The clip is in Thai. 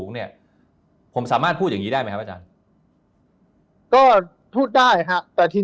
สูงเนี่ยผมสามารถพูดอย่างนี้ได้ไหมก็พูดได้ครับแต่ที